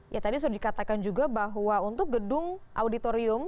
ya tadi sudah dikatakan juga bahwa untuk gedung auditorium